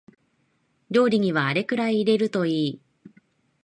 料理にはあれくらい入れるといい